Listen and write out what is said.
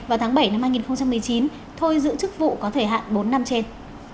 vào tháng bảy năm hai nghìn một mươi chín thôi giữ chức vụ có thời hạn bốn năm trên